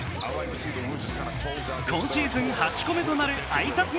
今シーズン８個目となるあいさつ